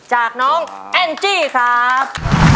จากน้องแอนจี้ครับ